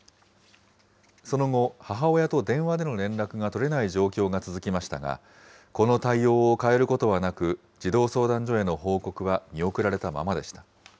その後、母親と電話での連絡が取れない状況が続きましたが、この対応を変えることはなく、児童相談所への報告は見送られたままでした。